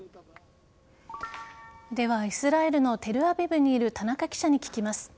ではイスラエルのテルアビブにいる田中記者に聞きます。